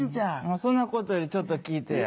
そんなことよりちょっと聞いてや。